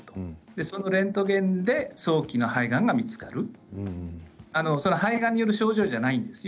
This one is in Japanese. そのレントゲンで早期の肺がんが見つかる肺がんによる症状ではないんですよ。